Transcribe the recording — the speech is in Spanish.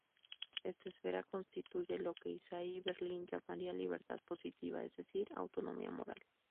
Esta esfera constituye lo que Isaiah Berlin llamaría libertad positiva, es decir, autonomía moral.